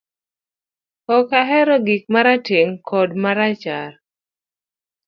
Ok ahero gik marateng kod marachar